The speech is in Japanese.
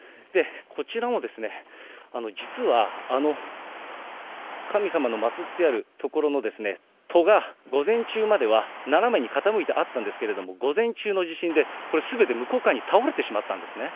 こちらも実は神様の祭ってある所の戸が午前中までは斜めに傾いてあったんですが、午前中の地震で、これ、すべて向こう側に倒れてしまったんですね。